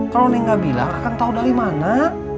kalau neng gak bilang akan tau dari mana